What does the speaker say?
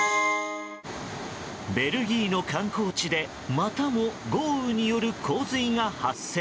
ベルギーの観光地でまたも豪雨による洪水が発生。